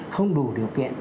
không đủ điều kiện